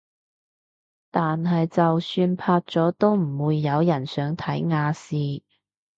但係就算拍咗都唔會有人睇亞視